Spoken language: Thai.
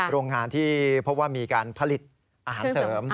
โรงงานที่พบว่ามีการผลิตอาหารเสริม